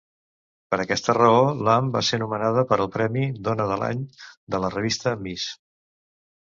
Per aquesta raó, Lamm va ser nomenada per al premi "Dona de l'any" de la revista "Ms.".